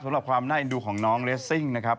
สำหรับความน่าเอ็นดูของน้องเลสซิ่งนะครับ